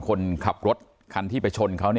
คนขับรถคันที่ไปชนเขา